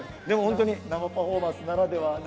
でも本当に生パフォーマンスならでは。